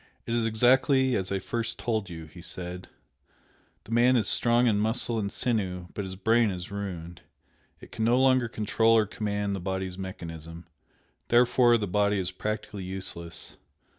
"It is exactly as I at first told you," he said "The man is strong in muscle and sinew, but his brain is ruined. It can no longer control or command the body's mechanism, therefore the body is practically useless.